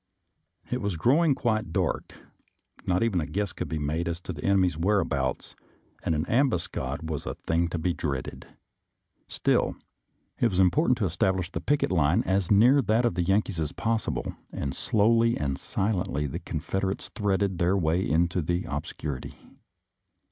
It was growing quite dark, not even a guess could be made as to the enemy's whereabouts, and an ambuscade was a thing to be dreaded. Still, it was important to 238 SOLDIER'S LETTERS TO CHARMING NELLIE establish the picket line as near that of the Yan kees as possible, and slowly and silently the Confederates threaded their way into the ob scurity.